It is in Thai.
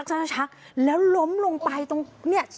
เกิดอาการชักแล้วล้มลงไปตรงเนี่ย